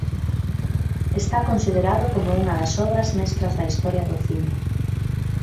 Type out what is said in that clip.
Está considerado como unha das obras mestras da historia do cine.